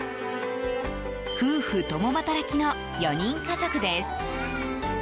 夫婦共働きの４人家族です。